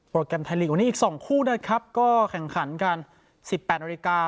โปรแกรมไทยลีกวันนี้อีกสองคู่นะครับก็แข่งขันกันสิบแปดนาฬิกา